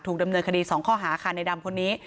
ดำเนินคดี๒ข้อหาค่ะในดำคนนี้